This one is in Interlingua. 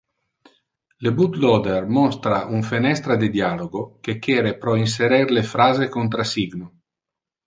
Le bootloader monstra un fenestra de dialogo que quere pro inserer le phrase contrasigno.